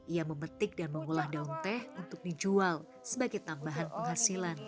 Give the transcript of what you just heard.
ia memetik dan mengolah daun teh untuk dijual sebagai tambahan penghasilan